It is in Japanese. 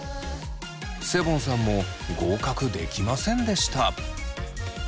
セボンさんも合格できませんでした。